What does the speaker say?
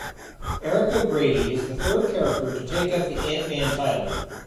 Eric O'Grady is the third character to take up the Ant-Man title.